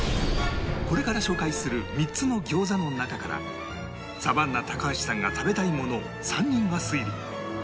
これから紹介する３つの餃子の中からサバンナ高橋さんが食べたいものを３人は推理